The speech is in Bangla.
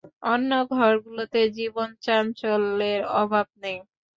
অন্য ঘরগুলোতে জীবনচাঞ্চল্যের অভাব নেই।